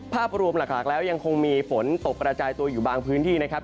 ภาพรวมหลักแล้วยังคงมีฝนตกกระจายตัวอยู่บางพื้นที่นะครับ